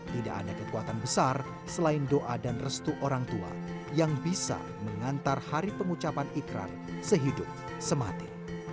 tidak ada kekuatan besar selain doa dan restu orang tua yang bisa mengantar hari pengucapan ikrar sehidup semati